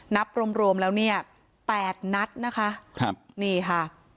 นับรวมแล้วเนี่ย๘นัดนะคะนี่ค่ะ